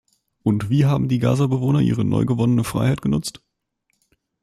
Und wie haben die Gazabewohner ihre neu gewonnene Freiheit genutzt?